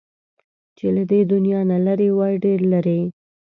چې له دې دنيا نه لرې وای، ډېر لرې